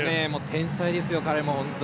天才ですよ、彼も。